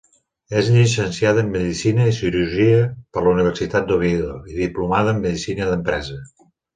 És llicenciada en medicina i cirurgia per la Universitat d'Oviedo i diplomada en medicina d'empresa.